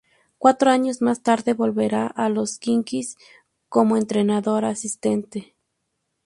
Cuatro años más tarde, volvería a los Knicks como entrenador asistente.